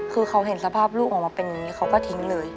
คือเขาเห็นสภาพลูกออกมาเป็นอย่างนี้เขาก็ทิ้งเลย